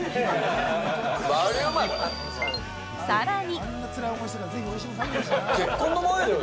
さらに。